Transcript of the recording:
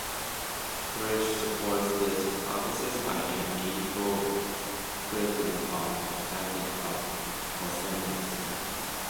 Thiersch supports this hypothesis by an able criticism of a passage of Pausanias.